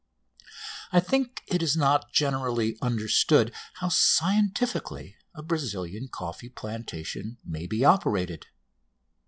I think it is not generally understood how scientifically a Brazilian coffee plantation may be operated.